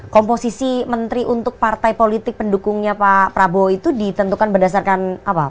komposisi menteri untuk partai politik pendukungnya pak prabowo itu ditentukan berdasarkan apa